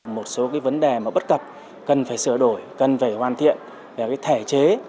một số vấn đề bất cập cần phải sửa đổi cần phải hoàn thiện về thể chế